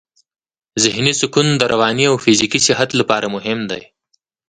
ذهني سکون د رواني او فزیکي صحت لپاره مهم دی.